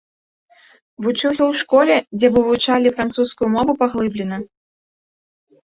Вучыўся ў школе, дзе вывучалі французскую мову паглыблена.